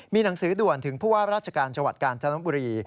มีหนังสือด่วนถึงพวกว่าราชการจกาลจนบุรี